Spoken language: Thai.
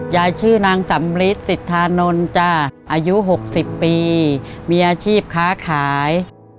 ยายชื่อนางสำริทสิทธานนท์จ้ะอายุ๖๐ปีมีอาชีพค้าขาย